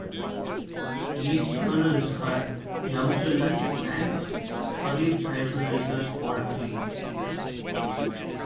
These journals are "Young Children" and "Early Childhood Research Quarterly.